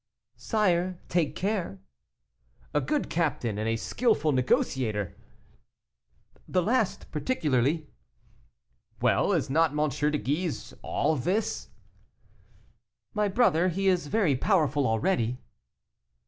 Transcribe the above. "Sire, take care." "A good captain and a skilful negotiator." "The last particularly." "Well, is not M. de Guise all this?" "My brother, he is very powerful already."